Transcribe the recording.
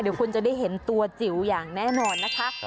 เดี๋ยวคุณจะได้เห็นตัวจิ๋วอย่างแน่นอนนะคะ